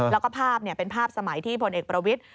แล้วก็ภาพเป็นภาพสมัยที่พลเอกประวิทธิ